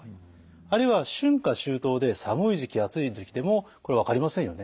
あるいは春夏秋冬で寒い時期暑い時期でもこれ分かりませんよね。